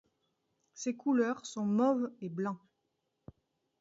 Ses couleurs sont mauve et blanc.